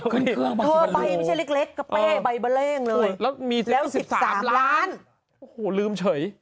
ขึ้นเครื่องมาที่บริโลกรมโอ้โหแล้ว๑๓ล้านโอ้โหลืมเฉย